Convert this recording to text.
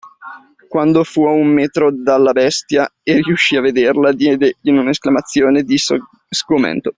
Quando fu a un metro dalla bestia e riuscì a vederla, diede in una esclamazione di sgomento.